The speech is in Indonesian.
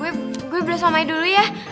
gue gue beli somai dulu ya